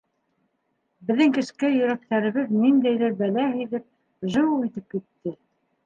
Беҙҙең кескәй йөрәктәребеҙ ниндәйҙер бәлә һиҙеп, жыу итеп китте.